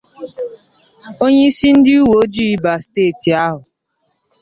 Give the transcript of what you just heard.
onyeisi ndị uweojii ba steeti ahụ